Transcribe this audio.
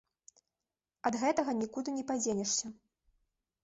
Ад гэтага нікуды не падзенешся.